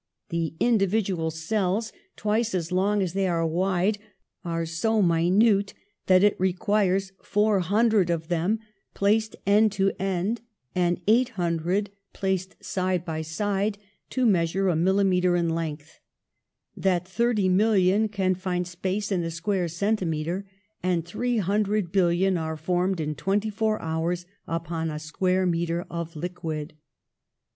The in dividual cells, twice as long as they are wide, are so minute that it requires 400 of them, placed end to end, and 800, placed side by side, to measure a millimetre in length, that thirty mil lion can find space in a square centimetre, and three hundred billion are formed in twenty four hours upon a square metre of the liquid